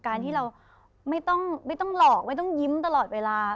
การที่เราไม่ต้องหลอกไม่ต้องยิ้มตลอดเวลา